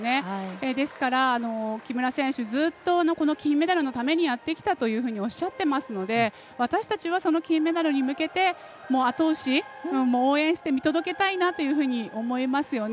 ですから、木村選手ずっと金メダルのためにやってきたというふうにおっしゃっていますので私たちはその金メダルに向けて、あと押し応援して見届けたいなと思いますよね。